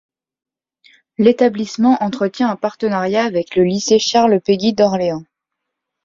L’établissement entretient un partenariat avec le lycée Charles Péguy d’Orléans.